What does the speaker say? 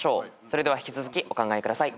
それでは引き続きお考えください。